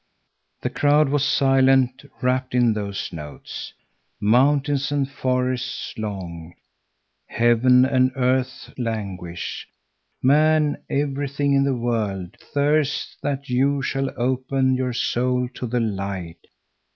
The crowd was silent, wrapped in those notes. "Mountains and forests long, heaven and earth languish. Man, everything in the world, thirsts that you shall open your soul to the light.